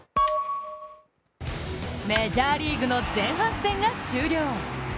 メジャーリーグの前半戦が終了。